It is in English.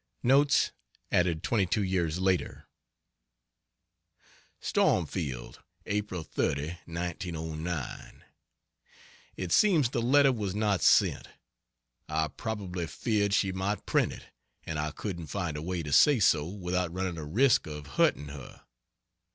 Notes (added twenty two years later): Stormfield, April 30, 1909. It seems the letter was not sent. I probably feared she might print it, and I couldn't find a way to say so without running a risk of hurting her.